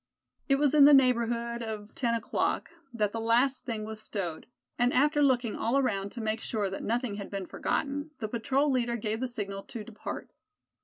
It was in the neighborhood of ten o'clock that the last thing was stowed; and after looking all around to make sure that nothing had been forgotten, the patrol leader gave the signal to depart.